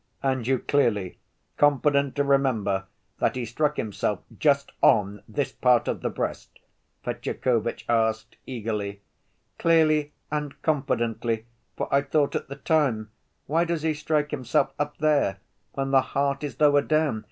"And you clearly, confidently remember that he struck himself just on this part of the breast?" Fetyukovitch asked eagerly. "Clearly and confidently, for I thought at the time, 'Why does he strike himself up there when the heart is lower down?